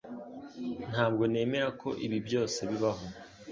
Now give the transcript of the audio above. Ntabwo nemera ko ibi byose bibaho